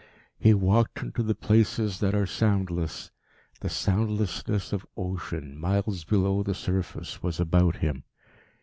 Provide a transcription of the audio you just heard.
He walked into the places that are soundless. The soundlessness of ocean, miles below the surface, was about him.